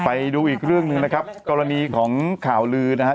ไปดูอีกเรื่องหนึ่งนะครับกรณีของข่าวลือนะครับ